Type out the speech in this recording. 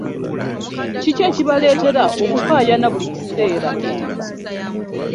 Kiki ekibaletera okukayana buli kaseera?